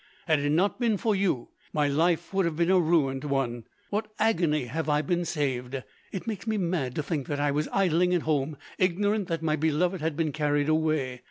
Had it not been for you, my life would have been a ruined one. What agony have I been saved! It makes me mad, to think that I was idling at home, ignorant that my beloved had been carried away.